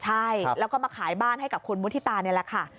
ใช่แล้วก็มาขายบ้านให้กับคุณมุฒิตานี่แหละค่ะ